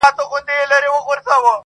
سېمابي سوی له کراره وځم,